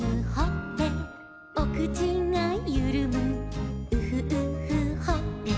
「おくちがゆるむウフウフほっぺ」